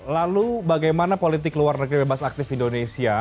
lalu bagaimana politik luar negeri bebas aktif indonesia